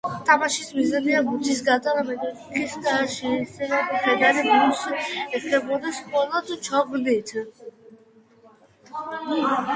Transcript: თამაშის მიზანია ბურთის გატანა მეტოქის კარში ისე, რომ მხედარი ბურთს ეხებოდეს მხოლოდ ჩოგნით.